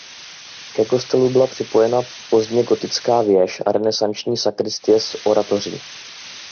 Ke kostelu byla připojena pozdně gotická věž a renesanční sakristie s oratoří.